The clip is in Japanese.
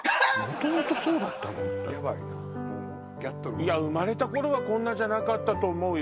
いや生まれた頃はこんなじゃなかったと思うよ。